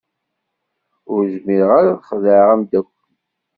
Ur zmireɣ ad xedɛeɣ ameddakel.